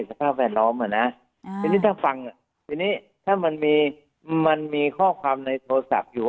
สภาพแวดล้อมทีนี้ถ้าฟังถ้ามันมีข้อความในโทรศัพท์อยู่